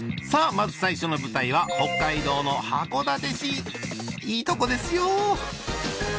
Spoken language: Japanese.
まず最初の舞台は北海道の函館市いいとこですよ